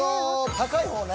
高い方ね。